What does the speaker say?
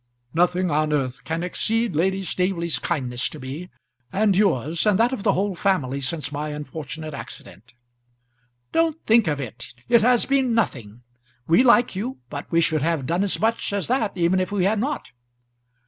"Nothing on earth can exceed Lady Staveley's kindness to me, and yours, and that of the whole family since my unfortunate accident." "Don't think of it. It has been nothing. We like you, but we should have done as much as that even if we had not."